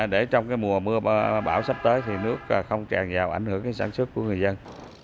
để trong mùa mưa bão sắp tới thì nước không tràn vào ảnh hưởng đến sản xuất của người dân